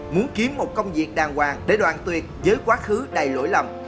muốn kiếm một công việc đàng hoàng để đoàn tuyệt với quá khứ đầy lỗi lầm